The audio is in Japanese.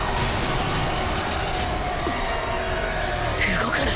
動かない？